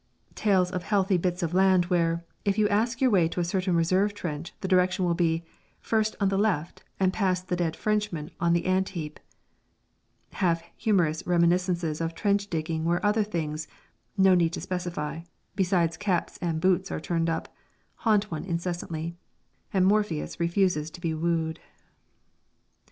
Tales of healthy bits of land where, if you ask your way to a certain reserve trench, the direction will be: "First on the left, and past the dead Frenchman on the ant heap," half humorous reminiscences of trench digging where other things no need to specify besides caps and boots are turned up, haunt one incessantly, and Morpheus refuses to be wooed.